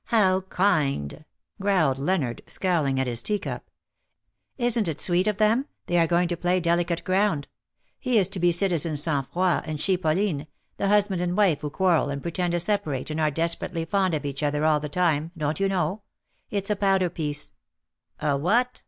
" How kind/^ growled Leonard, scowling at his teacup. '^ Isn't it sweet of them ? They are going to play ^Delicate Ground.' He is to be Citizen Sangfroid and she Pauline — the husband and wife who quarrel and pretend to separate and are desperately fond of each other all the time, don't you know ? It's a powder piece.'^ '' A what